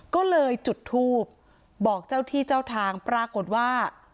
ก็เลยจุดทูบบอกเจ้าที่เจ้าทางปรากฏว่า